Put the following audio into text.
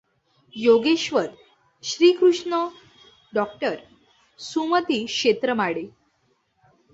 योगेश्वर श्रीकृष्ण डॉ. सुमती क्षेत्रमाडे